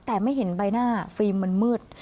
แต่ไม่เห็นใบหน้าฟิล์มมันมืด